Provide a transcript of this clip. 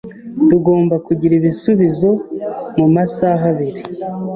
Tugomba kugira ibisubizo mumasaha abiri.